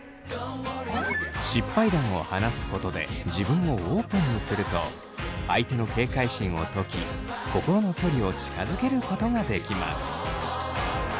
失敗談を話すことで自分をオープンにすると相手の警戒心を解き心の距離感を近づけることができます。